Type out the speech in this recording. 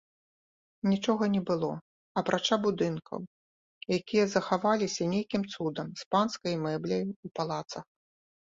Нічога не было, апрача будынкаў, якія захаваліся нейкім цудам з панскай мэбляю ў палацах.